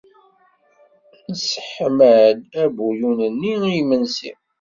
Nesseḥma-d abuyun-nni i yimensi.